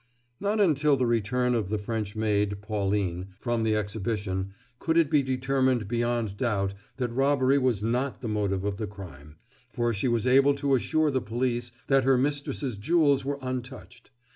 Not until the return of the French maid, Pauline, from the exhibition, could it be determined beyond doubt that robbery was not the motive of the crime, for she was able to assure the police that her mistress's jewels were untouched.